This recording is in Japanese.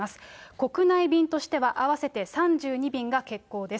国内便としては合わせて３２便が欠航です。